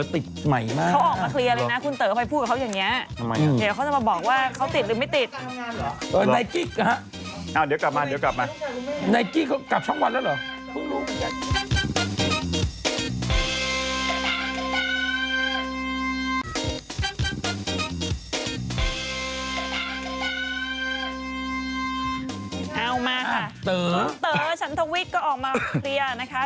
เต๋อฉันทวิทย์ก็ออกมาเคลียร์นะคะ